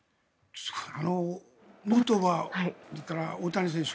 ヌートバー、それから大谷選手。